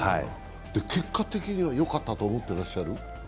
結果的にはよかったと思ってらっしゃる？